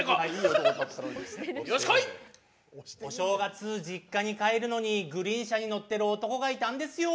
お正月実家に帰るのにグリーン車に乗ってる男がいたんですよ。